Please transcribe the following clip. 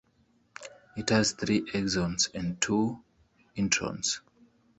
It has three exons and two introns.